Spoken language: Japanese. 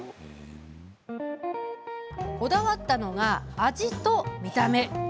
こだわったのが味と見た目。